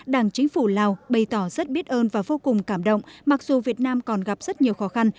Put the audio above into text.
đảng chính phủ lào bày tỏ rất biết ơn và vô cùng cảm động mặc dù việt nam còn gặp rất nhiều khó khăn